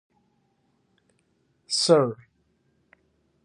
Syr.